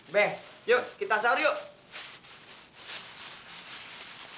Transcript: be yuk kita saur yuk